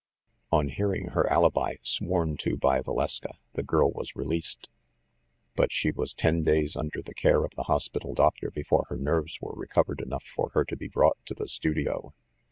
On hearing her alibi, sworn to by Valeska, the girl was released; but she was ten days under the care of the hospital doctor before her nerves were recovered enough for her to be brought to the studio.